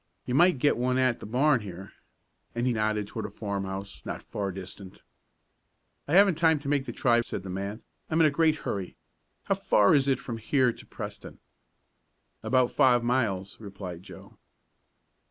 "You might get one at the barn here," and he nodded toward a farmhouse not far distant. "I haven't time to make the try," said the man. "I'm in a great hurry. How far is it from here to Preston?" "About five miles," replied Joe.